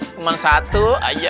cuman satu aja